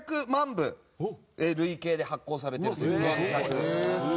部累計で発行されているという原作。